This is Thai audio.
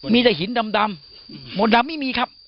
มีแต่หินดำมนต์ดำไม่มีครับ